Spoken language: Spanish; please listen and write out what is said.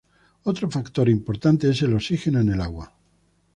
Otro factor importante es el oxígeno en el agua.